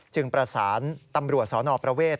ประสานตำรวจสนประเวท